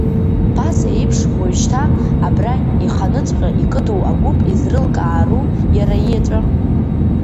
Ԥаса еиԥш, уажәшьҭа, абра иханыҵәҟьа икыду агәыԥ изрылкаару иара иеҵәа?